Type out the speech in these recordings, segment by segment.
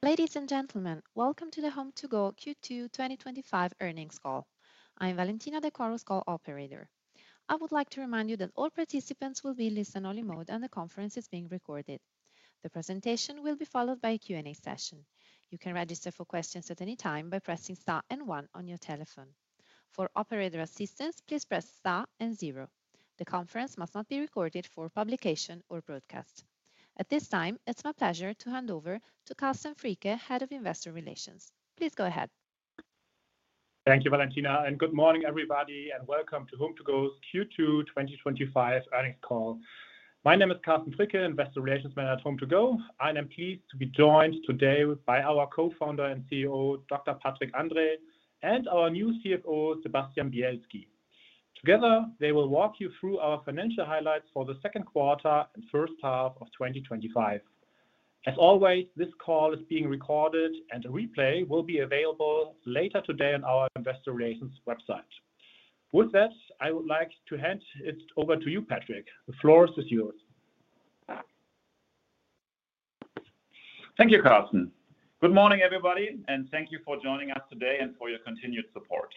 Ladies and gentlemen, welcome to the HomeToGo Q2 2025 Earnings Call. I'm Valentina the Chorus Call Operator. I would like to remind you that all participants will be in listen-only mode and the conference is being recorded. The presentation will be followed by a Q&A session. You can register for questions at any time by pressing star and one on your telephone. For operator assistance, please press star and zero. The conference must not be recorded for publication or broadcast. At this time, it's my pleasure to hand over to Carsten Fricke, Head of Investor Relations. Please go ahead. Thank you, Valentina, and good morning, everybody, and welcome to HomeToGo's Q2 2025 Earnings Call. My name is Carsten Fricke, Head of Investor Relations at HomeToGo. I am pleased to be joined today by our Co-Founder and CEO, Dr. Patrick Andrae, and our new CFO, Sebastian Bielski. Together, they will walk you through our financial highlights for the second quarter and first half of 2025. As always, this call is being recorded and a replay will be available later today on our investor relations website. With that, I would like to hand it over to you, Patrick. The floor is yours. Thank you, Carsten. Good morning, everybody, and thank you for joining us today and for your continued support.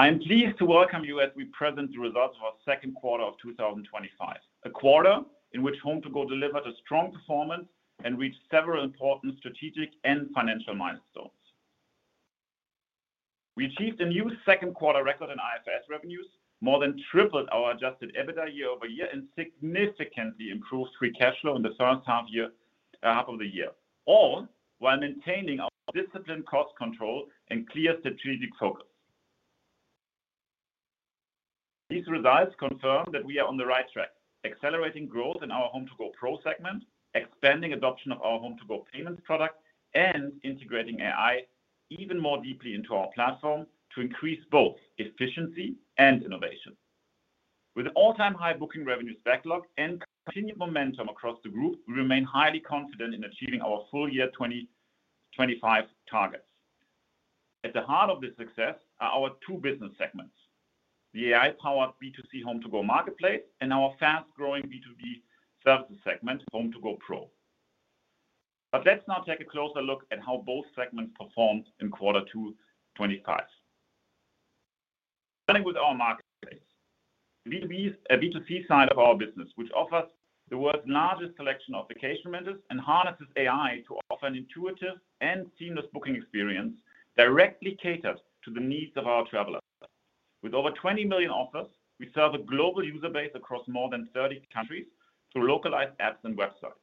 I am pleased to welcome you as we present the results of our second quarter of 2025, a quarter in which HomeToGo delivered a strong performance and reached several important strategic and financial milestones. We achieved a new second-quarter record in IFRS revenues, more than tripled our adjusted EBITDA year-over-year, and significantly improved free cash flow in the first half of the year, all while maintaining our disciplined cost control and clear strategic focus. These results confirm that we are on the right track, accelerating growth in our HomeToGo_PRO segment, expanding adoption of our HomeToGo Payments product, and integrating AI even more deeply into our platform to increase both efficiency and innovation. With an all-time high booking revenues backlog and continued momentum across the group, we remain highly confident in achieving our full year 2025 targets. At the heart of this success are our two business segments: the AI-powered B2C HomeToGo Marketplace and our fast-growing B2B services segment, HomeToGo_PRO. Let's now take a closer look at how both segments performed in Q2 2025. Starting with our Marketplace, the B2C side of our business, which offers the world's largest collection of vacation rentals and harnesses AI to offer an intuitive and seamless booking experience, directly caters to the needs of our travelers. With over 20 million offers, we serve a global user base across more than 30 countries through localized apps and websites.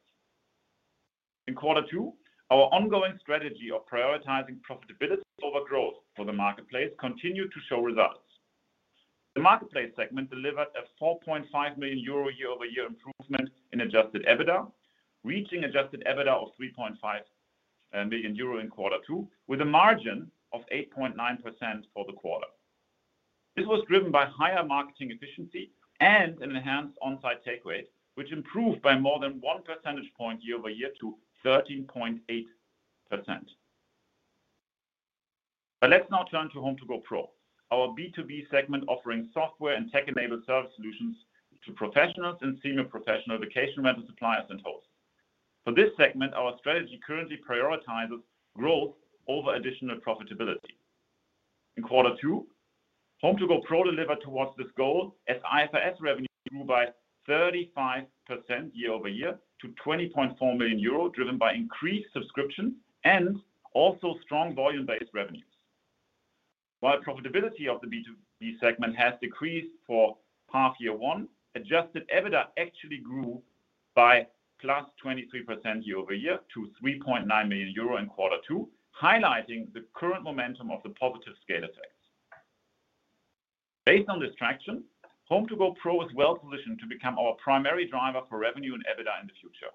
In Q2, our ongoing strategy of prioritizing profitability over growth for the Marketplace continued to show results. The Marketplace segment delivered a 4.5 million euro year-over-year improvement in adjusted EBITDA, reaching an adjusted EBITDA of 3.5 million euro in quarter two, with a margin of 8.9% for the quarter. This was driven by higher marketing efficiency and an enhanced onsite take rate, which improved by more than one percentage point year-over-year to 13.8%. Let's now turn to HomeToGo_PRO, our B2B segment offering software and service solutions to professionals and senior professional vacation rental suppliers and hosts. For this segment, our strategy currently prioritizes growth over additional profitability. In quarter two, HomeToGo_PRO delivered towards this goal as IFRS revenue grew by 35% year-over-year to 20.4 million euro, driven by increased subscription and also strong volume-based revenues. While profitability of the B2B segment has decreased for half year one, adjusted EBITDA actually grew by 23% year-over-year to 3.9 million euro in quarter two, highlighting the current momentum of the positive scale effects. Based on this traction, HomeToGo_PRO is well positioned to become our primary driver for revenue and EBITDA in the future.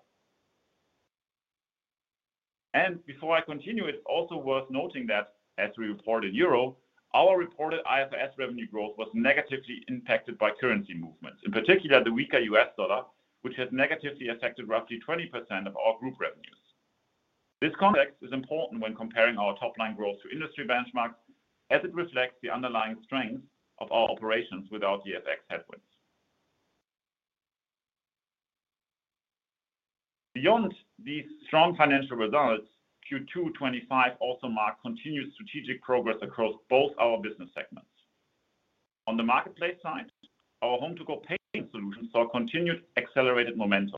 Before I continue, it's also worth noting that as we reported in euro, our reported IFRS revenue growth was negatively impacted by currency movements, in particular the weaker U.S. dollar, which has negatively affected roughly 20% of our group revenues. This context is important when comparing our top-line growth to industry benchmarks, as it reflects the underlying strength of our operations without FX headwinds. Beyond these strong financial results, Q2 2025 also marked continued strategic progress across both our business segments. On the Marketplace side, our HomeToGo Payments solution saw continued accelerated momentum,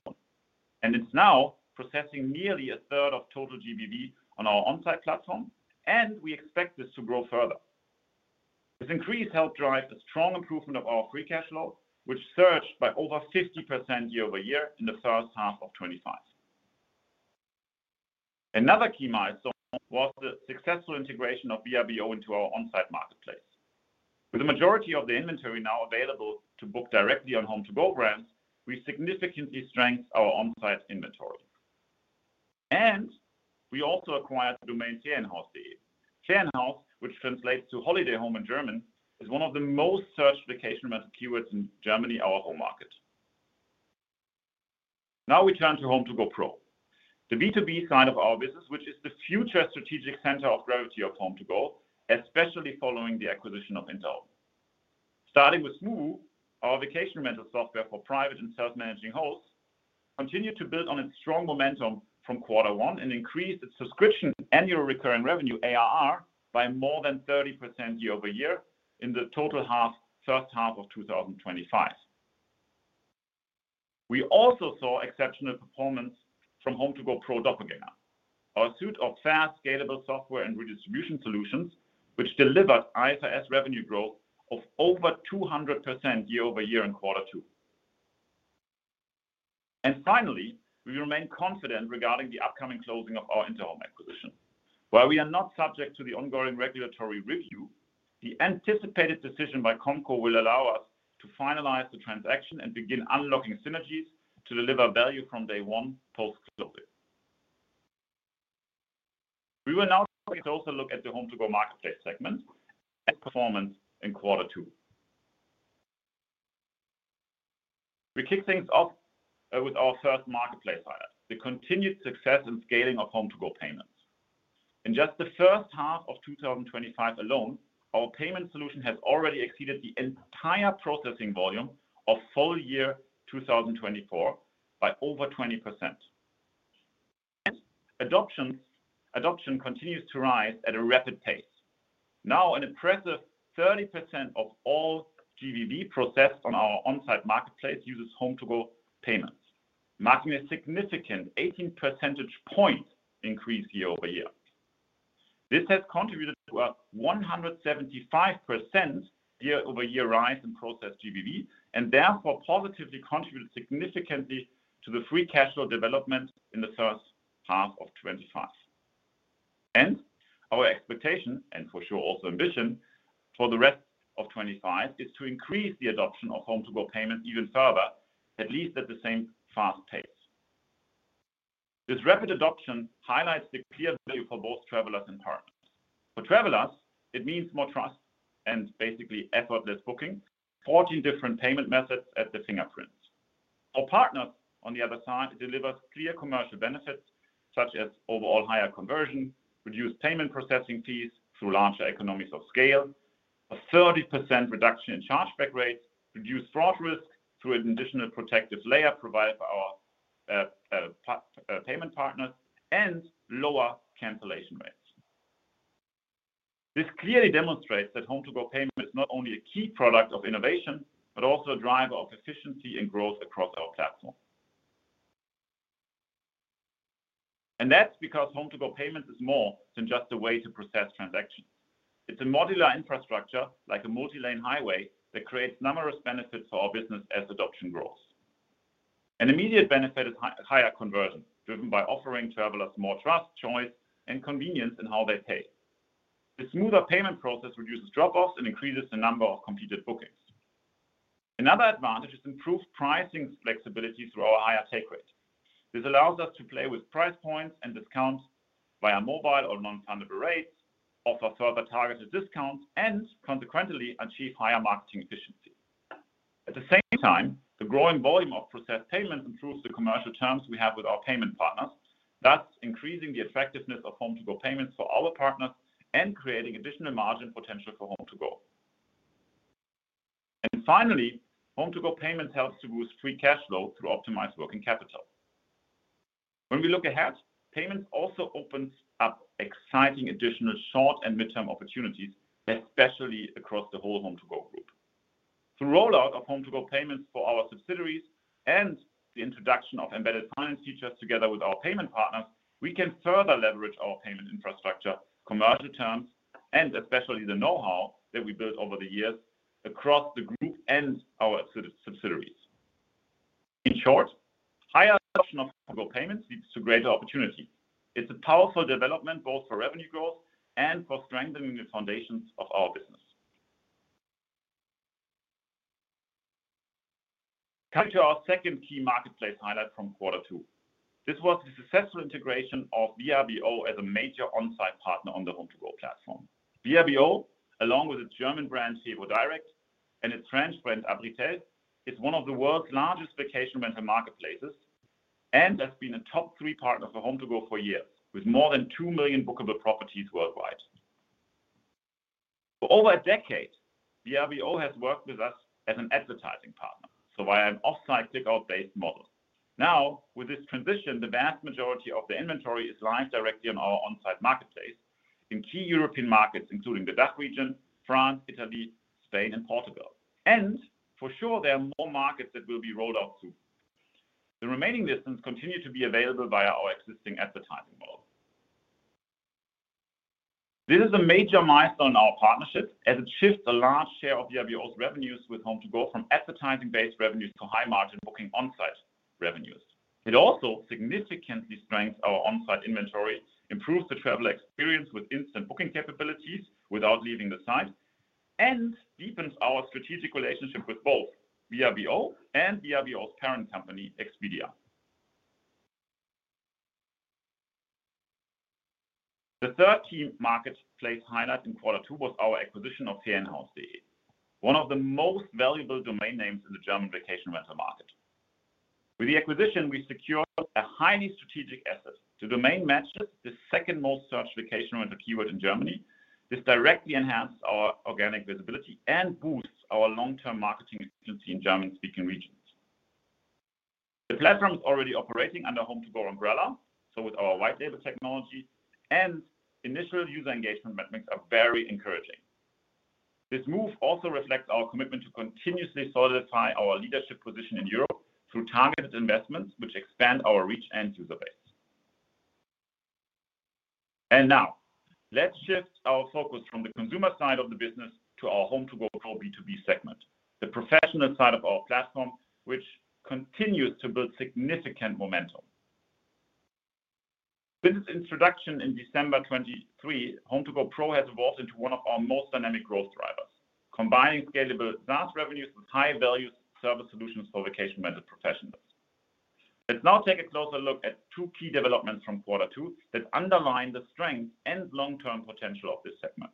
and it's now processing nearly 1/3 of total GBV on our onsite platform, and we expect this to grow further. This increase helped drive a strong improvement of our free cash flow, which surged by over 50% year-over-year in the first half of 2025. Another key milestone was the successful integration of Vrbo into our onsite marketplace. With the majority of the inventory now available to book directly on HomeToGo brands, we significantly strengthened our onsite inventory. We also acquired the domain Ferienhäuser. Ferienhäus, which translates to Holiday Home in German, is one of the most searched vacation rental keywords in Germany, our home market. Now we turn to HomeToGo_PRO, the B2B side of our business, which is the future strategic center of gravity of HomeToGo, especially following the acquisition of Interhome. Starting with Smoobu, our vacation rental software for private and self-managing hosts, continued to build on its strong momentum from quarter one and increased its subscription annual recurring revenue, ARR, by more than 30% year-over-year in the total first half of 2025. We also saw exceptional performance from HomeToGo_PRO doppelganger, a suite of fast, scalable software and redistribution solutions, which delivered IFRS revenue growth of over 200% year-over-year in quarter two. Finally, we remain confident regarding the upcoming closing of Interhome acquisition. While we are not subject to the ongoing regulatory review, the anticipated decision by the [Swiss Competition Commission] will allow us to finalize the transaction and begin unlocking synergies to deliver value from day one post-closing. We will now take a closer look at the HomeToGo Marketplace segment and performance in quarter two. We kick things off with our first Marketplace highlight: the continued success in scaling up HomeToGo Payments. In just the first half of 2025 alone, our payment solution has already exceeded the entire processing volume of full year 2024 by over 20%. Adoption continues to rise at a rapid pace. Now, an impressive 30% of all GBV processed on our onsite marketplace uses HomeToGo Payments, marking a significant 18% point increase year-over-year. This has contributed to a 175% year-over-year rise in processed GBV and therefore positively contributed significantly to the free cash flow development in the first half of 2025. Our expectation, and for sure also ambition, for the rest of 2025 is to increase the adoption of HomeToGo Payments even further, at least at the same fast pace. This rapid adoption highlights the clear play for both travelers and partners. For travelers, it means more trust and basically effortless booking: 14 different payment methods at the fingerprint. For partners on the other side, it delivers clear commercial benefits such as overall higher conversion, reduced payment processing fees through larger economies of scale, a 30% reduction in chargeback rates, reduced fraud risk through an additional protective layer provided by our payment partners, and lower cancellation rates. This clearly demonstrates that HomeToGo Payments is not only a key product of innovation but also a driver of efficiency and growth across our platform. That is because HomeToGo Payments is more than just a way to process transactions. It's a modular infrastructure, like a multi-lane highway, that creates numerous benefits for our business as adoption grows. An immediate benefit is higher conversion, driven by offering travelers more trust, choice, and convenience in how they pay. The smoother payment process reduces drop-offs and increases the number of completed bookings. Another advantage is improved pricing flexibility through our higher take rate. This allows us to play with price points and discounts via mobile or non-fungible rates, offer further targeted discounts, and consequently achieve higher marketing efficiency. At the same time, the growing volume of processed payments improves the commercial terms we have with our payment partners, thus increasing the attractiveness of HomeToGo Payments for our partners and creating additional margin potential for HomeToGo. Finally, HomeToGo Payments helps to boost free cash flow through optimized working capital. When we look ahead, payments also open up exciting additional short and mid-term opportunities, especially across the whole HomeToGo group. Through the rollout of HomeToGo Payments for our subsidiaries and the introduction of embedded finance features together with our payment partners, we can further leverage our payment infrastructure, commercial terms, and especially the know-how that we built over the years across the group and our subsidiaries. In short, higher adoption of HomeToGo Payments leads to greater opportunity. It's a powerful development both for revenue growth and for strengthening the foundations of our business. Coming to our second key Marketplace highlight from quarter two, this was the successful integration of Vrbo as a major onsite partner on the HomeToGo platform. Vrbo, along with its German brand FeWo-direkt and its French brand Abritel, is one of the world's largest vacation rental marketplaces and has been a top three partner for HomeToGo for years, with more than 2 million bookable properties worldwide. For over a decade, Vrbo has worked with us as an advertising partner, via an offsite kick-out-based model. Now, with this transition, the vast majority of the inventory is live directly on our onsite marketplace in key European markets, including the DACH region, France, Italy, Spain, and Portugal. There are more markets that will be rolled out soon. The remaining listings continue to be available via our existing advertising model. This is a major milestone in our partnership, as it shifts a large share of Vrbo's revenues with HomeToGo from advertising-based revenues to high-margin booking onsite revenues. It also significantly strengthens our onsite inventory, improves the traveler experience with instant booking capabilities without leaving the site, and deepens our strategic relationship with both Vrbo and Vrbo's parent company, Expedia. The third key Marketplace highlight in quarter two was our acquisition of Ferienhäus, one of the most valuable domain names in the German vacation rental market. With the acquisition, we secured a highly strategic asset. The domain matches the second most searched vacation rental keyword in Germany. This directly enhances our organic visibility and boosts our long-term marketing efficiency in German-speaking regions. The platform is already operating under the HomeToGo umbrella, so with our white-label technology, initial user engagement metrics are very encouraging. This move also reflects our commitment to continuously solidify our leadership position in Europe through targeted investments, which expand our reach and user base. Now, let's shift our focus from the consumer side of the business to our HomeToGo_PRO B2B segment, the professional side of our platform, which continues to build significant momentum. Since its introduction in December 2023, HomeToGo_PRO has evolved into one of our most dynamic growth drivers, combining scalable SaaS revenues with high-value service solutions for vacation rental professionals. Let's now take a closer look at two key developments from quarter two that underline the strength and long-term potential of this segment.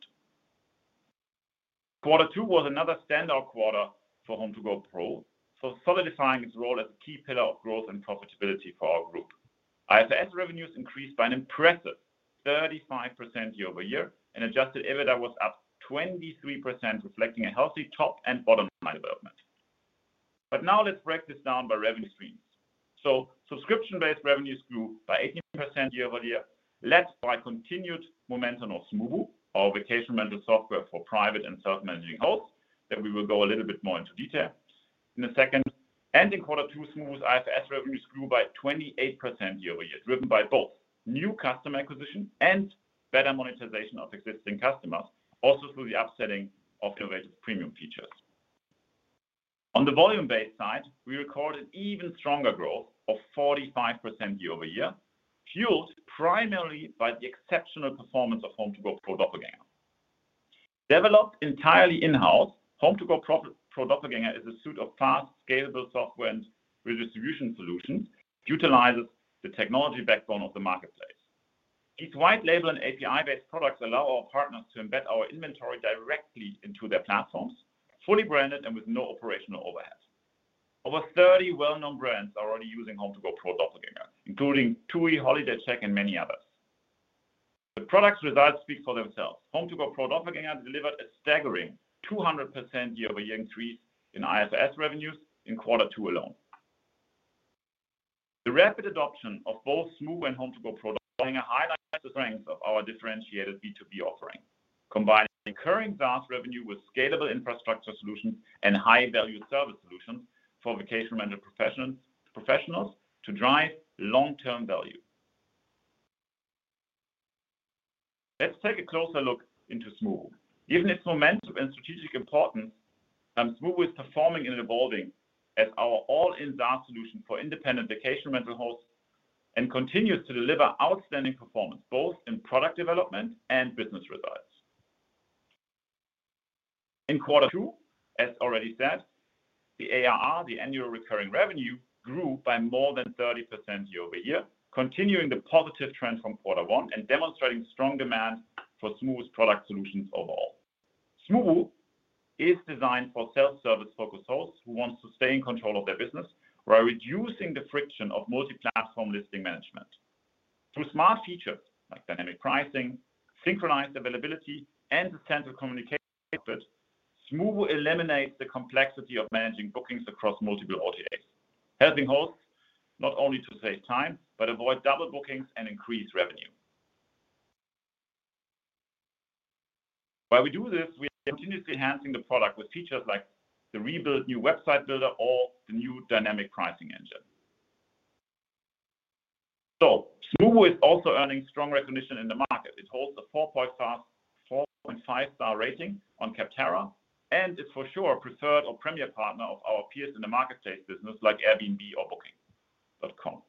Quarter two was another standout quarter for HomeToGo_PRO, solidifying its role as a key pillar of growth and profitability for our group. IFRS revenues increased by an impressive 35% year-over-year, and adjusted EBITDA was up 23%, reflecting a healthy top and bottom line development. Now, let's break this down by revenue streams. Subscription-based revenues grew by 18% year-over-year, led by continued momentum on Smoobu, our vacation rental software for private and self-managing hosts, that we will go a little bit more into detail in a second. In quarter two, Smoobu's IFRS revenues grew by 28% year-over-year, driven by both new customer acquisition and better monetization of existing customers, also through the upselling of innovative premium features. On the volume-based side, we recorded even stronger growth of 45% year-over-year, fueled primarily by the exceptional performance of HomeToGo_PRO Doppelganger. Developed entirely in-house, HomeToGo_PRO Doppelganger is a suite of fast, scalable software and redistribution solutions that utilize the technology backbone of the Marketplace. These white-label and API-based products allow our partners to embed our inventory directly into their platforms, fully branded and with no operational overhead. Over 30 well-known brands are already using HomeToGo_PRO Doppelganger, including TUI, HolidayCheck, and many others. The product's results speak for themselves. HomeToGo_PRO Doppelganger delivered a staggering 200% year-over-year increase in IFRS revenues in quarter two alone. The rapid adoption of both Smoobu and HomeToGo_PRO Doppelganger highlights the strengths of our differentiated B2B offering, combining recurring SaaS revenue with scalable infrastructure solutions and high-value service solutions for vacation rental professionals to drive long-term value. Let's take a closer look into Smoobu. Given its momentum and strategic importance, Smoobu is performing and evolving as our all-in SaaS solution for independent vacation rental hosts and continues to deliver outstanding performance, both in product development and business results. In quarter two, as already said, the ARR, the annual recurring revenue, grew by more than 30% year-over-year, continuing the positive trend from quarter one and demonstrating strong demand for Smoobu's product solutions overall. Smoobu is designed for self-service-focused hosts who want to stay in control of their business while reducing the friction of multi-platform listing management. Through smart features like dynamic pricing, synchronized availability, and a central communication output, Smoobu eliminates the complexity of managing bookings across multiple OTAs, helping hosts not only to save time but avoid double bookings and increase revenue. While we do this, we are continuously enhancing the product with features like the rebuilt new website builder or the new dynamic pricing engine. Smoobu is also earning strong recognition in the market. It holds a 4.5-star rating on Capterra, and it's for sure a preferred or premier partner of our peers in the Marketplace business, like Airbnb or Booking.com.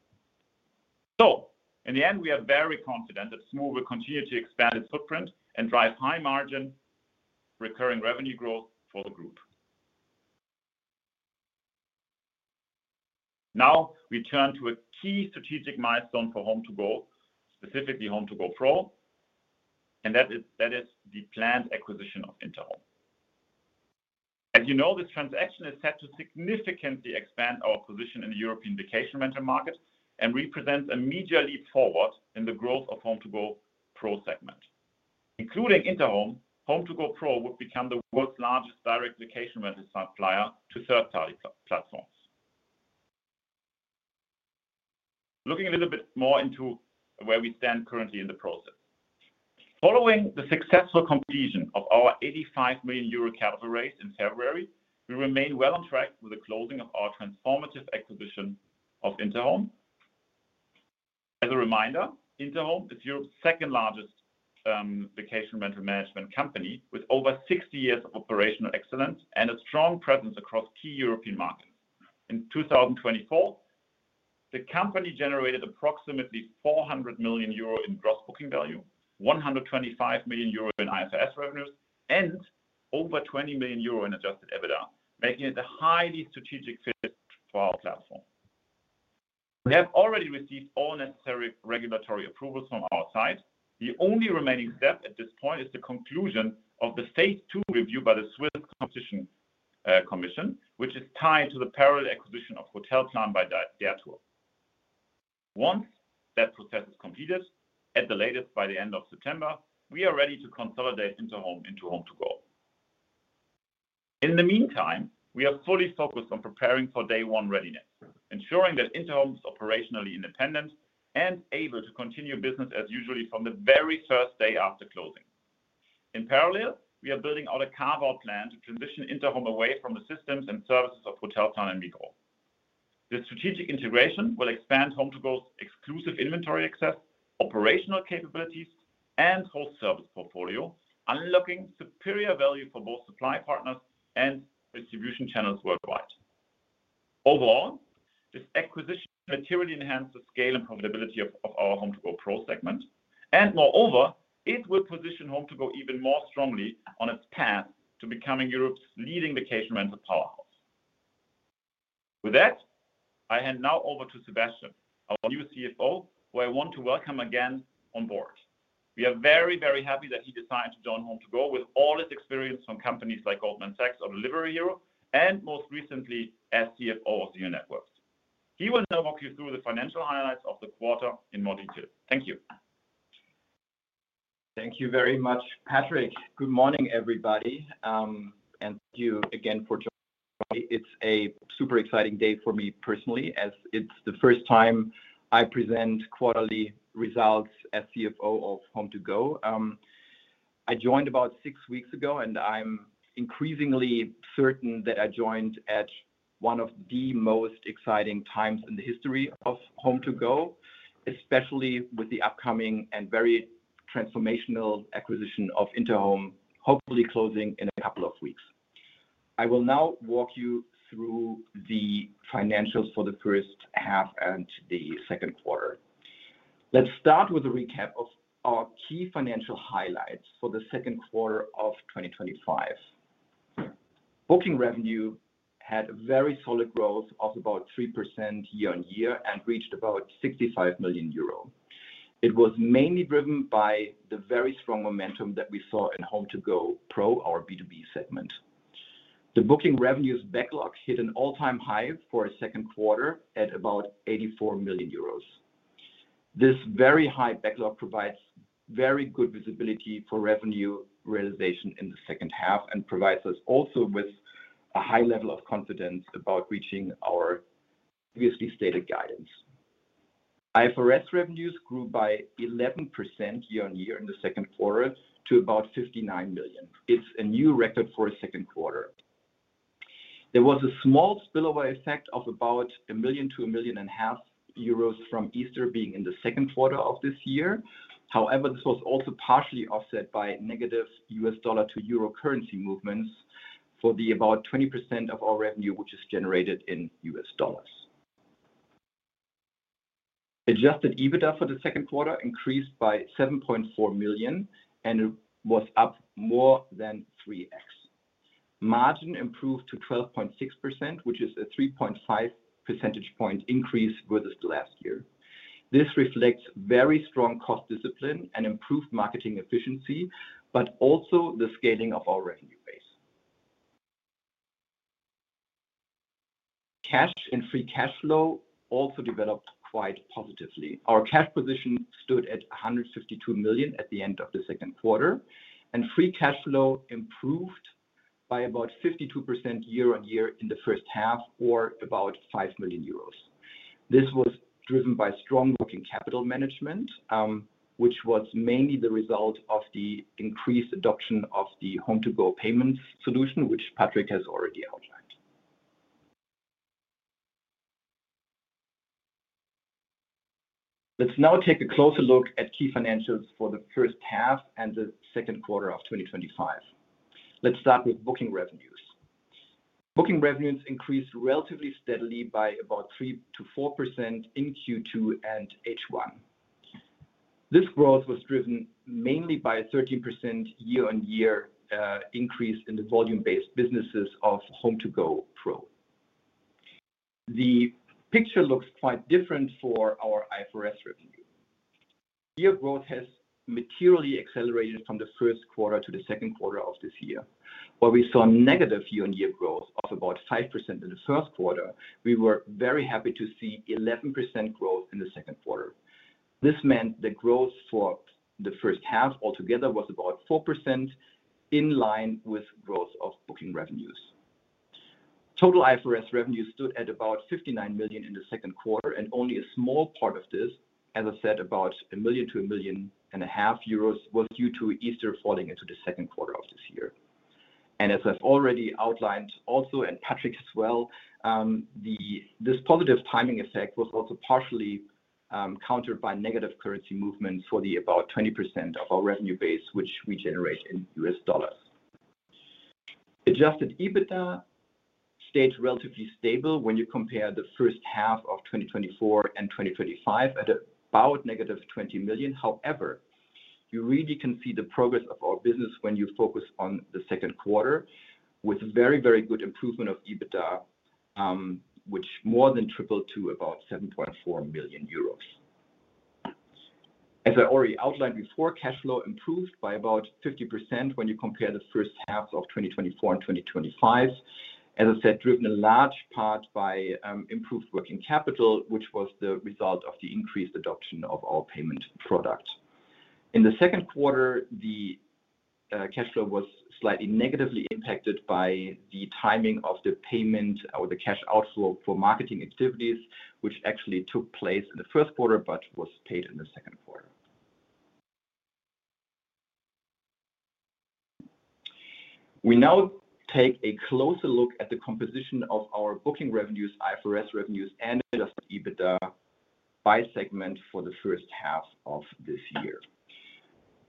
In the end, we are very confident that Smoobu will continue to expand its footprint and drive high-margin recurring revenue growth for the group. Now, we turn to a key strategic milestone for HomeToGo, specifically HomeToGo_PRO, and that is the planned acquisition of Interhome. As you know, this transaction is set to significantly expand our position in the European vacation rental market and represents a major leap forward in the growth of the HomeToGo_PRO segment. Including Interhome, HomeToGo_PRO would become the world's largest direct vacation rental supplier to third-party platforms. Looking a little bit more into where we stand currently in the process. Following the successful completion of our 85 million euro capital raise in February, we remain well on track with the closing of our transformative acquisition of Interhome. As a reminder, Interhome is Europe’s second-largest vacation rental management company with over 60 years of operational excellence and a strong presence across key European markets. In 2024, the company generated approximately 400 million euro in gross booking value, 125 million euro in IFRS revenues, and over 20 million euro in adjusted EBITDA, making it a highly strategic fit for our platform. We have already received all necessary regulatory approvals from our side. The only remaining step at this point is the conclusion of the phase two review by the Swiss Competition Commission, which is tied to the parallel acquisition of Hotelplan by Der Tour. Once that process is completed, at the latest by the end of September, we are ready to consolidate Interhome into HomeToGo. In the meantime, we are fully focused on preparing for day one readiness, ensuring that Interhome is operationally independent and able to continue business as usual from the very first day after closing. In parallel, we are building out a carve-out plan to transition Interhome away from the systems and services of Hotelplan and DeGaulle. This strategic integration will expand HomeToGo's exclusive inventory access, operational capabilities, and host service portfolio, unlocking superior value for both supply partners and distribution channels worldwide. Overall, this acquisition will materially enhance the scale and profitability of our HomeToGo_PRO segment, and moreover, it will position HomeToGo even more strongly on its path to becoming Europe's leading vacation rental powerhouse. With that, I hand now over to Sebastian, our new CFO, who I want to welcome again on board. We are very, very happy that he decided to join HomeToGo with all his experience from companies like Goldman Sachs or Delivery Hero, and most recently as CFO of UniNetworks. He will now walk you through the financial highlights of the quarter in more detail. Thank you. Thank you very much, Patrick. Good morning, everybody. Thank you again for joining me. It's a super exciting day for me personally, as it's the first time I present quarterly results as CFO of HomeToGo. I joined about six weeks ago, and I'm increasingly certain that I joined at one of the most exciting times in the history of HomeToGo, especially with the upcoming and very transformational acquisition of Interhome, hopefully closing in a couple of weeks. I will now walk you through the financials for the first half and the second quarter. Let's start with a recap of our key financial highlights for the second quarter of 2025. Booking revenue had a very solid growth of about 3% year-on-year and reached about 65 million euro. It was mainly driven by the very strong momentum that we saw in HomeToGo_PRO, our B2B segment. The booking revenues backlog hit an all-time high for a second quarter at about 84 million euros. This very high backlog provides very good visibility for revenue realization in the second half and provides us also with a high level of confidence about reaching our previously stated guidance. IFRS revenues grew by 11% year-on-year in the second quarter to about 59 million. It's a new record for a second quarter. There was a small spillover effect of about 1 million-1.5 million from Easter being in the second quarter of this year. However, this was also partially offset by negative U.S. dollar to euro currency movements for the about 20% of our revenue, which is generated in U.S. dollars. Adjusted EBITDA for the second quarter increased by 7.4 million, and it was up more than 3x. Margin improved to 12.6%, which is a 3.5% point increase versus last year. This reflects very strong cost discipline and improved marketing efficiency, but also the scaling of our revenue base. Cash and free cash flow also developed quite positively. Our cash position stood at 152 million at the end of the second quarter, and free cash flow improved by about 52% year-on-year in the first half, or about 5 million euros. This was driven by strong booking capital management, which was mainly the result of the increased adoption of the HomeToGo Payments solution, which Patrick has already outlined. Let's now take a closer look at key financials for the first half and the second quarter of 2025. Let's start with booking revenues. Booking revenues increased relatively steadily by about 3%-4% in Q2 and H1. This growth was driven mainly by a 13% year-on-year increase in the volume-based businesses of HomeToGo_PRO. The picture looks quite different for our IFRS revenue. Year growth has materially accelerated from the first quarter to the second quarter of this year. While we saw negative year-on-year growth of about 5% in the first quarter, we were very happy to see 11% growth in the second quarter. This meant that growth for the first half altogether was about 4%, in line with growth of booking revenues. Total IFRS revenue stood at about 59 million in the second quarter, and only a small part of this, as I said, about 1 million-1.5 million, was due to Easter falling into the second quarter of this year. As I've already outlined also, and Patrick as well, this positive timing effect was also partially countered by negative currency movements for the about 20% of our revenue base, which we generate in U.S. dollars. Adjusted EBITDA stayed relatively stable when you compare the first half of 2024 and 2025 at about negative 20 million. However, you really can see the progress of our business when you focus on the second quarter, with very, very good improvement of EBITDA which more than tripled to about 7.4 million euros. As I already outlined before, cash flow improved by about 50% when you compare the first half of 2024 and 2025. As I said, driven in large part by improved working capital, which was the result of the increased adoption of our payment product. In the second quarter, the cash flow was slightly negatively impacted by the timing of the payment or the cash outflow for marketing activities, which actually took place in the first quarter but was paid in the second quarter. We now take a closer look at the composition of our booking revenues, IFRS revenues, and adjusted EBITDA by segment for the first half of this year.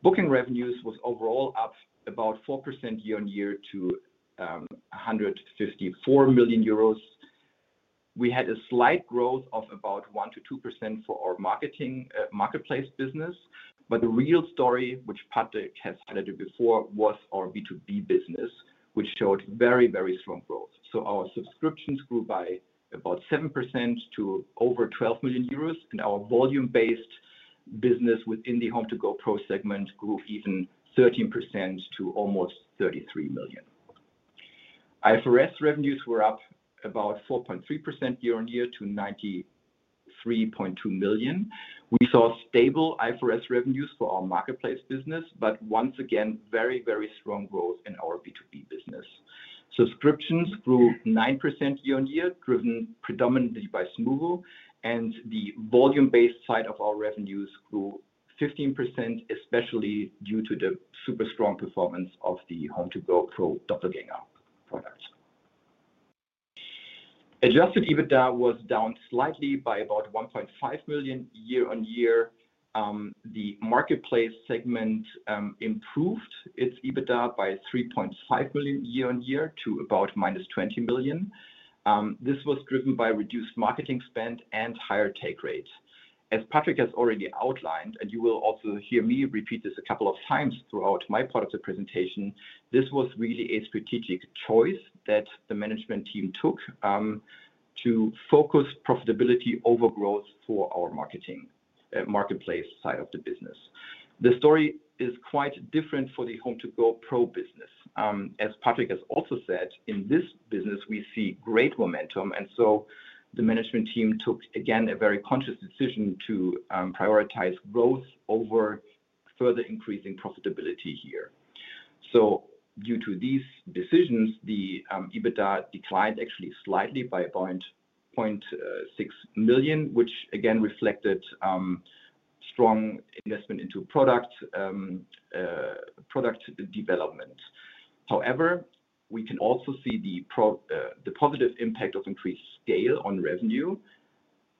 Booking revenues were overall up about 4% year-on-year to 154 million euros. We had a slight growth of about 1%-2% for our marketplace business, but the real story, which Patrick has highlighted before, was our B2B business, which showed very, very strong growth. Our subscriptions grew by about 7% to over 12 million euros, and our volume-based business within the HomeToGo_PRO segment grew even 13% to almost 33 million. IFRS revenues were up about 4.3% year-on-year to 93.2 million. We saw stable IFRS revenues for our marketplace business, but once again, very, very strong growth in our B2B business. Subscriptions grew 9% year-on-year, driven predominantly by Smoobu, and the volume-based side of our revenues grew 15%, especially due to the super strong performance of the HomeToGo_PRO Doppelganger product. Adjusted EBITDA was down slightly by about $1.5 million year-on-year. The marketplace segment improved its EBITDA by $3.5 million year-on-year to about -$20 million. This was driven by reduced marketing spend and higher take rate. As Patrick has already outlined, and you will also hear me repeat this a couple of times throughout my part of the presentation, this was really a strategic choice that the management team took to focus profitability over growth for our marketplace side of the business. The story is quite different for the HomeToGo_PRO business. As Patrick has also said, in this business, we see great momentum, and the management team took, again, a very conscious decision to prioritize growth over further increasing profitability here. Due to these decisions, the EBITDA declined actually slightly by $0.6 million, which again reflected strong investment into product development. However, we can also see the positive impact of increased scale on revenue,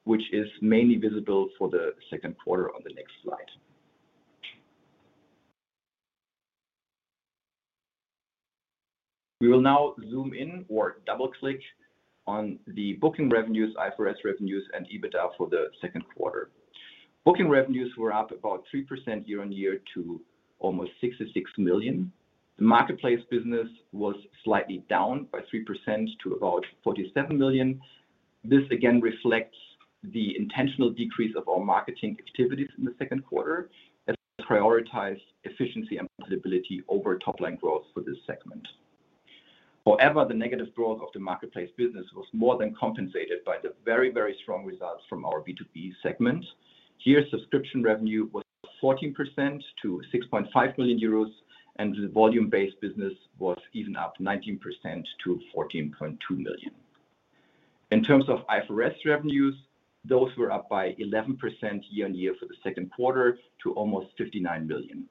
which is mainly visible for the second quarter on the next slide. We will now zoom in or double-click on the booking revenues, IFRS revenues, and EBITDA for the second quarter. Booking revenues were up about 3% year-on-year to almost $66 million. The marketplace business was slightly down by 3% to about $47 million. This again reflects the intentional decrease of our marketing activities in the second quarter as we prioritize efficiency and profitability over top-line growth for this segment. However, the negative growth of the marketplace business was more than compensated by the very, very strong results from our B2B segment. Here, subscription revenue was 14% to $6.5 million, and the volume-based business was even up 19% to $14.2 million. In terms of IFRS revenues, those were up by 11% year-on-year for the second quarter to almost $59 million.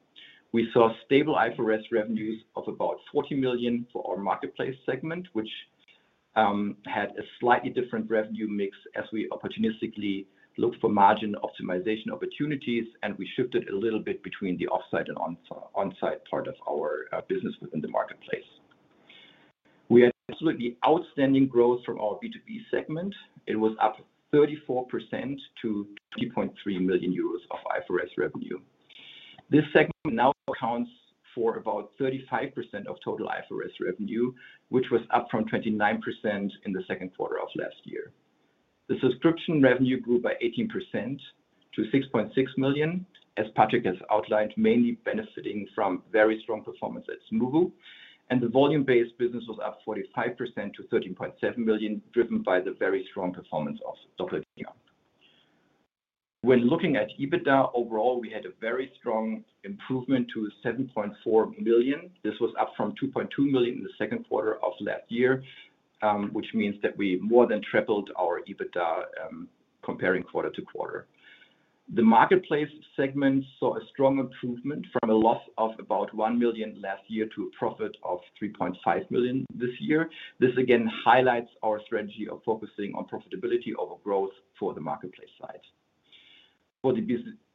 We saw stable IFRS revenues of about $40 million for our marketplace segment, which had a slightly different revenue mix as we opportunistically looked for margin optimization opportunities, and we shifted a little bit between the offsite and onsite part of our business within the marketplace. We had absolutely outstanding growth from our B2B segment. It was up 34% to $3.3 million of IFRS revenue. This segment now accounts for about 35% of total IFRS revenue, which was up from 29% in the second quarter of last year. The subscription revenue grew by 18% to 6.6 million, as Patrick has outlined, mainly benefiting from very strong performance at Smoobu, and the volume-based business was up 45% to 13.7 million, driven by the very strong performance of Doppelganger. When looking at EBITDA overall, we had a very strong improvement to 7.4 million. This was up from 2.2 million in the second quarter of last year, which means that we more than tripled our EBITDA comparing quarter to quarter. The marketplace segment saw a strong improvement from a loss of about 1 million last year to a profit of 3.5 million this year. This again highlights our strategy of focusing on profitability over growth for the marketplace side. For the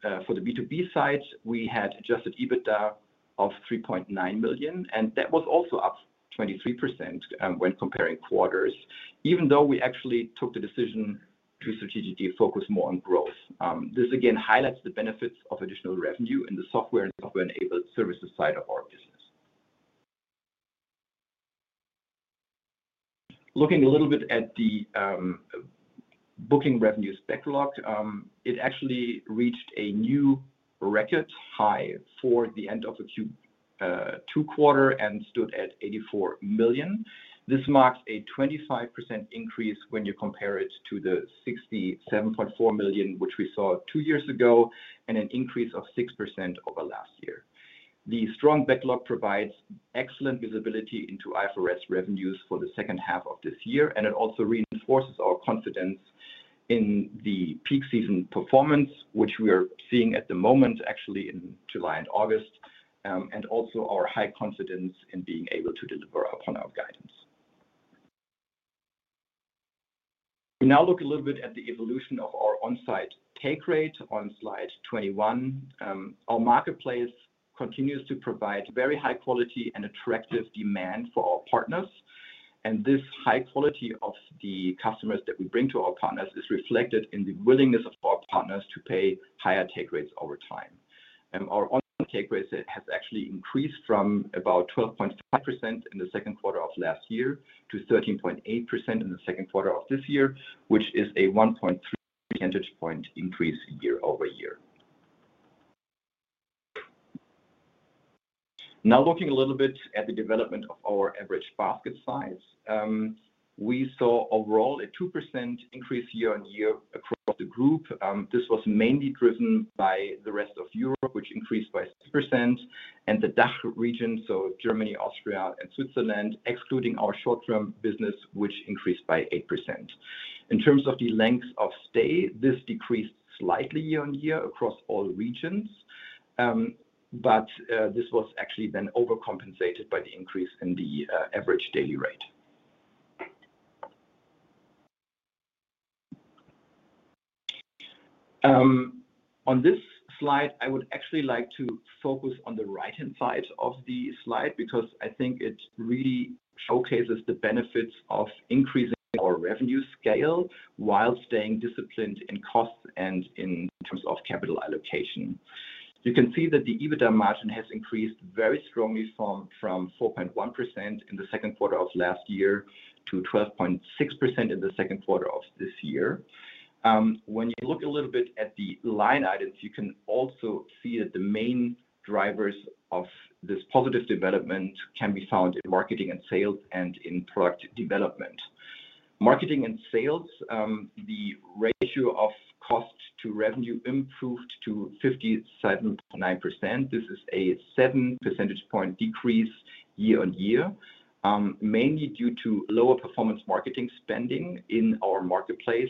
B2B side, we had adjusted EBITDA of 3.9 million, and that was also up 23% when comparing quarters, even though we actually took the decision to strategically focus more on growth. This again highlights the benefits of additional revenue in the software and service solutions side of our business. Looking a little bit at the booking revenues backlog, it actually reached a new record high for the end of the Q2 quarter and stood at 84 million. This marks a 25% increase when you compare it to the 67.4 million which we saw two years ago, and an increase of 6% over last year. The strong backlog provides excellent visibility into IFRS revenues for the second half of this year, and it also reinforces our confidence in the peak season performance, which we are seeing at the moment, actually in July and August, and also our high confidence in being able to deliver upon our guidance. We now look a little bit at the evolution of our onsite take rate on slide 21. Our marketplace continues to provide very high-quality and attractive demand for our partners, and this high quality of the customers that we bring to our partners is reflected in the willingness of our partners to pay higher take rates over time. Our onsite take rate has actually increased from about 12.5% in the second quarter of last year to 13.8% in the second quarter of this year, which is a 1.3% point increase year-over-year. Now looking a little bit at the development of our average basket size, we saw overall a 2% increase year-on-year across the group. This was mainly driven by the rest of Europe, which increased by 6%, and the DACH region, so Germany, Austria, and Switzerland, excluding our short-term business, which increased by 8%. In terms of the length of stay, this decreased slightly year-on-year across all regions, but this was actually then overcompensated by the increase in the average daily rate. On this slide, I would actually like to focus on the right-hand side of the slide because I think it really showcases the benefits of increasing our revenue scale while staying disciplined in costs and in terms of capital allocation. You can see that the EBITDA margin has increased very strongly from 4.1% in the second quarter of last year to 12.6% in the second quarter of this year. When you look a little bit at the line items, you can also see that the main drivers of this positive development can be found in marketing and sales and in product development. Marketing and sales, the ratio of cost to revenue improved to 57.9%. This is a 7% point decrease year-on-year, mainly due to lower performance marketing spending in our marketplace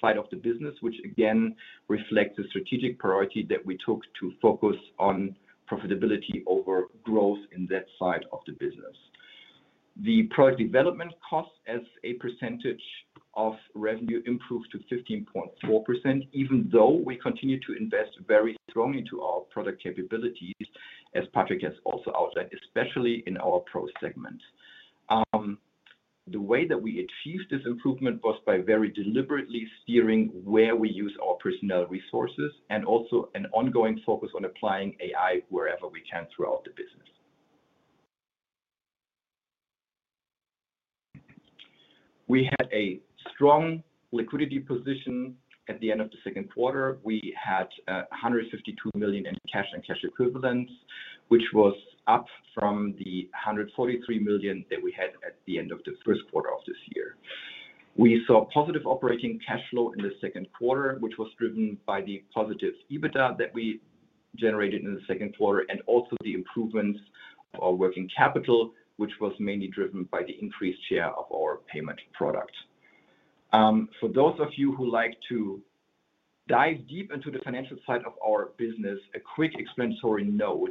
side of the business, which again reflects the strategic priority that we took to focus on profitability over growth in that side of the business. The product development cost as a percentage of revenue improved to 15.4%, even though we continue to invest very strongly into our product capabilities, as Patrick has also outlined, especially in our Pro segment. The way that we achieved this improvement was by very deliberately steering where we use our personnel resources and also an ongoing focus on applying AI wherever we can throughout the business. We had a strong liquidity position at the end of the second quarter. We had $152 million in cash and cash equivalents, which was up from the $143 million that we had at the end of the first quarter of this year. We saw positive operating cash flow in the second quarter, which was driven by the positive EBITDA that we generated in the second quarter and also the improvements of our working capital, which was mainly driven by the increased share of our payment product. For those of you who like to dive deep into the financial side of our business, a quick explanatory note: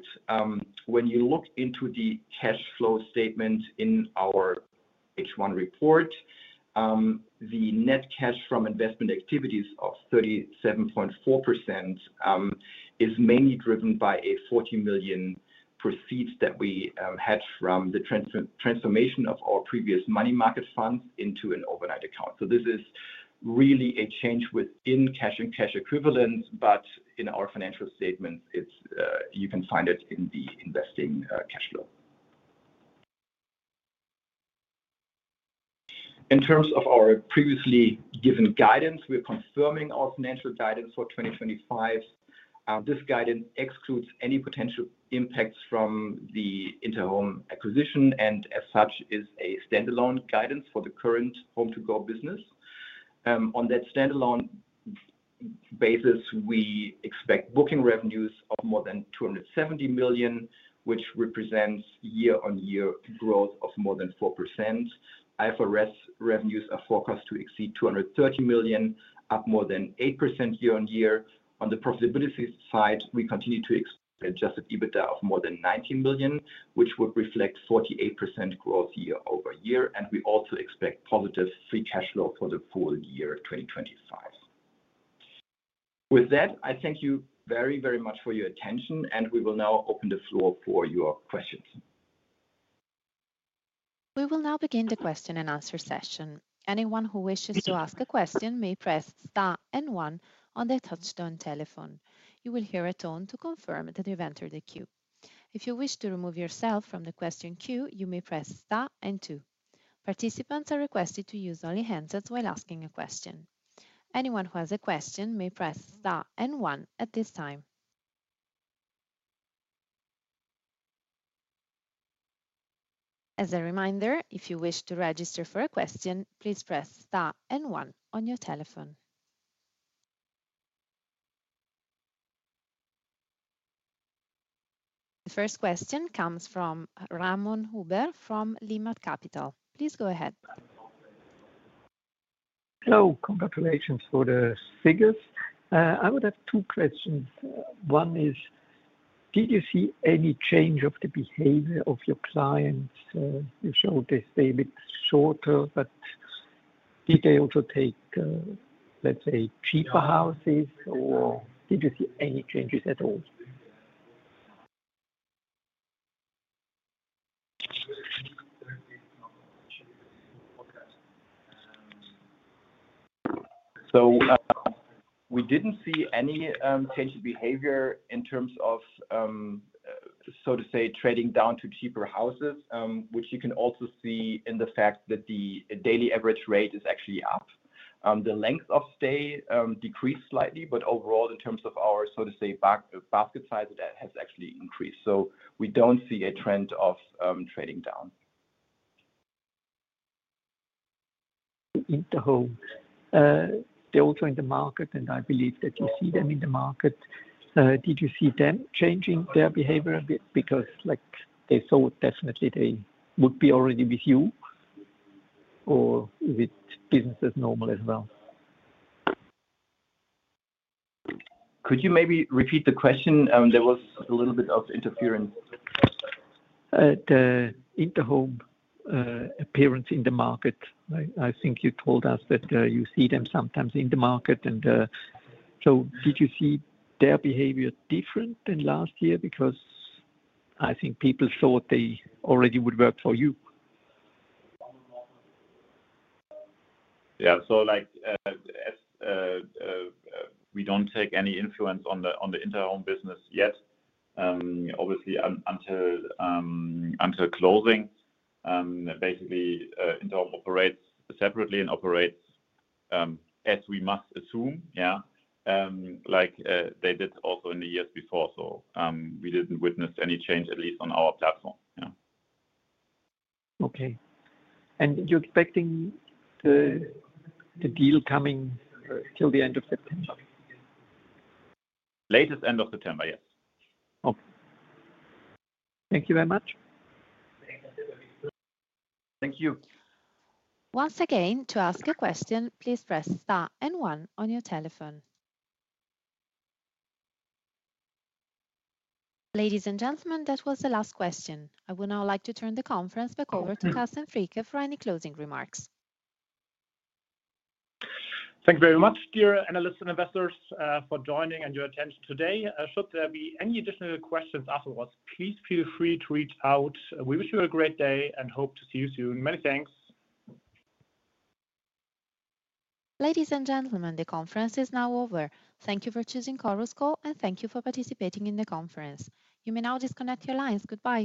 when you look into the cash flow statement in our H1 report, the net cash from investment activities of 37.4% is mainly driven by a $40 million proceeds that we had from the transformation of our previous money market fund into an overnight account. This is really a change within cash and cash equivalents, but in our financial statements, you can find it in the investing cash flow. In terms of our previously given guidance, we're confirming our financial guidance for 2025. This guidance excludes any potential impacts from the Interhome acquisition and, as such, is a standalone guidance for the current HomeToGo business. On that standalone basis, we expect booking revenues of more than $270 million, which represents year-on-year growth of more than 4%. IFRS revenues are forecast to exceed $230 million, up more than 8% year-on-year. On the profitability side, we continue to expect an adjusted EBITDA of more than $19 million, which would reflect 48% growth year-over-year, and we also expect positive free cash flow for the full year 2025. With that, I thank you very, very much for your attention, and we will now open the floor for your questions. We will now begin the question and answer session. Anyone who wishes to ask a question may press star and one on their touch-tone telephone. You will hear a tone to confirm that you've entered the queue. If you wish to remove yourself from the question queue, you may press star and two. Participants are requested to use only handsets while asking a question. Anyone who has a question may press star and one at this time. As a reminder, if you wish to register for a question, please press star and one on your telephone. The first question comes from Ramon Huber from Limmat Capital. Please go ahead. Hello, congratulations for the figures. I would have two questions. One is, did you see any change of the behavior of your clients? You showed they stay a bit shorter, but did they also take, let's say, cheaper houses, or did you see any changes at all? We didn't see any change in behavior in terms of, so to say, trading down to cheaper houses, which you can also see in the fact that the daily average rate is actually up. The length of stay decreased slightly, but overall, in terms of our, so to say, basket size, that has actually increased. We don't see a trend of trading down. The Interhome, they're also in the market, and I believe that you see them in the market. Did you see them changing their behavior a bit because, like, they saw definitely they would be already with you, or is it business as normal as well? Could you maybe repeat the question? There was a little bit of interference. The Interhome's appearance in the market, I think you told us that you see them sometimes in the market. Did you see their behavior different than last year? I think people thought they already would work for you. Yeah, we don't take any influence on the Interhome business yet, obviously, until closing. Basically, Interhome operates separately and operates as we must assume, like they did also in the years before. We didn't witness any change, at least on our platform. Okay, you're expecting the deal coming till the end of September? Latest end of September, yes. Okay, thank you very much. Thank you. Once again, to ask a question, please press star and one on your telephone. Ladies and gentlemen, that was the last question. I would now like to turn the conference back over to Carsten Fricke for any closing remarks. Thank you very much, dear analysts and investors, for joining and your attention today. Should there be any additional questions afterwards, please feel free to reach out. We wish you a great day and hope to see you soon. Many thanks. Ladies and gentlemen, the conference is now over. Thank you for choosing Chorus Call, and thank you for participating in the conference. You may now disconnect your lines. Goodbye.